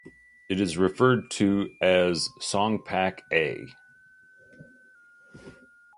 It is referred to as "Song Pack A".